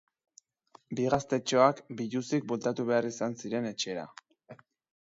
Bi gaztetxoak biluzik bueltatu behar izan ziren etxera.